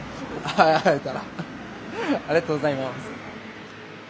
ありがとうございます。